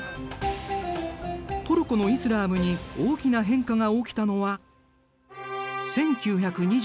トルコのイスラームに大きな変化が起きたのは１９２３年。